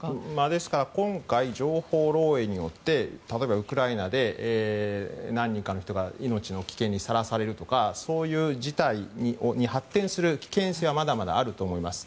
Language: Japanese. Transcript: ですから今回情報漏洩によって例えばウクライナで何人かの人が命の危険にさらされるとかそういう事態に発展する危険性はまだまだあると思います。